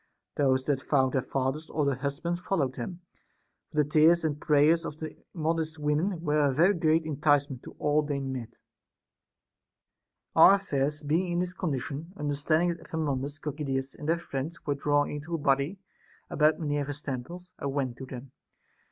Those that found their fathers or their husbands followed them ; for the tears and prayers of the modest women were a very great incitement to all they met. 84. Our affairs being in this condition, understanding that Epaminondas, Gorgidas, and their friends were draw ing into a body about Minerva's temple, I went to them.